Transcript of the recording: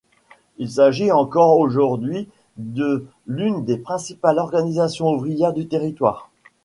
Il s'agit encore aujourd'hui de l'une des principales organisations ouvrières du Territoire.